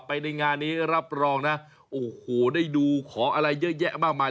ในงานนี้รับรองนะโอ้โหได้ดูขออะไรเยอะแยะมากมาย